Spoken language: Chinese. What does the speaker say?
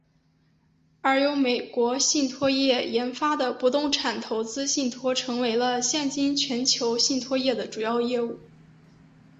而由美国信托业研发的不动产投资信托成为了现今全球信托业的主要业务。